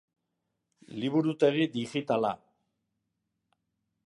Liburutegi digitala.